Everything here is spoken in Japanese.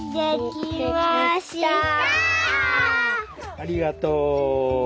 ありがとう！